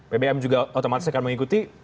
bbm juga otomatis akan mengikuti